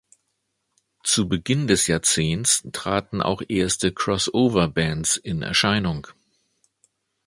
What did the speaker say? Zu Beginn des Jahrzehnts traten auch erste Crossover-Bands in Erscheinung.